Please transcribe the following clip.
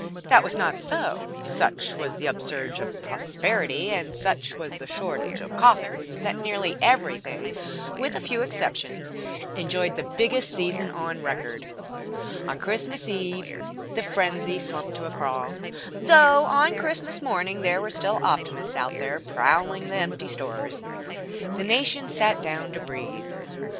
That was not so. Such was the upsurge of prosperity, and such was the shortage of coffins, that nearly everything with a few exceptions enjoyed the biggest season on record. On Christmas Eve the frenzy slumped to a crawl, though on Christmas morning there were still optimists out prowling the empty stores. The nation sat down to breathe.